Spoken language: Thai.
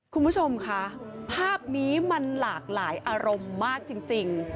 คุณผู้ชมค่ะภาพนี้มันหลากหลายอารมณ์มากจริง